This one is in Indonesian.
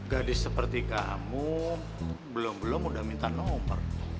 gadis seperti kamu belum belum udah minta nomor